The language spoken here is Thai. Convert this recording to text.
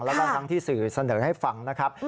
แล้วก็ทั้งที่สื่อเสนอให้ฟังนะครับ